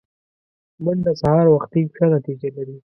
منډه سهار وختي ښه نتیجه لري